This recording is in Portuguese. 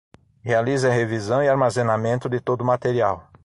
Realize a revisão e armazenamento de todo o material.